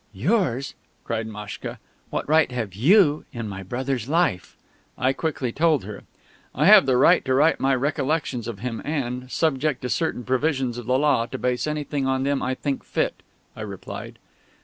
"Yours!" cried Maschka. "What right have you in my brother's 'Life'?" I quickly told her. "I have the right to write my recollections of him, and, subject to certain provisions of the Law, to base anything on them I think fit," I replied.